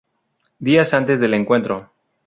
Días antes del encuentro.